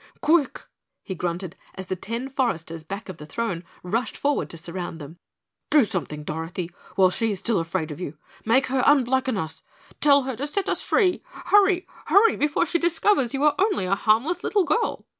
"Quick!" he grunted as the ten foresters back of the throne rushed forward to surround them. "Do something, Dorothy, while she is still afraid of you. Make her unblacken us. Tell her to set us free. Hurry! Hurry, before she discovers you are only a harmless little girl."